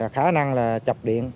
khả năng là chập điện